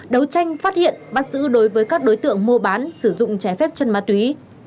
đấu tranh phát hiện bắt giữ đối với các đối tượng mua bán sử dụng trái phép chân ma túy